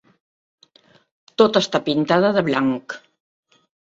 Tota està pintada de blanc.